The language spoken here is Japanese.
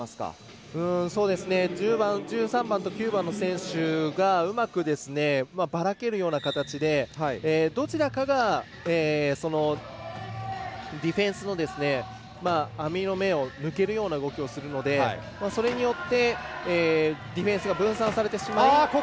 １０番、１３番、９番の選手がうまく、バラけるような形でどちらかが、そのディフェンスの網の目を抜けるような動きをするのでそれによって、ディフェンスが分散されてしまっています。